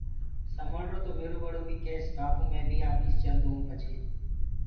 سمݪرو تو ميرو ٻڙو ڪيس ڪي ٻآپو مي بيٚ آپيس چلدون پڇي